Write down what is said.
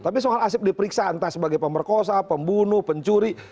tapi soal asep diperiksa entah sebagai pemberkosa pembunuh pencuri